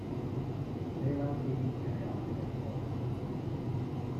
They allow Katie to carry on, and her performance wins them over.